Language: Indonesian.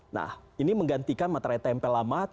nah ini menggantikan materai tempel lama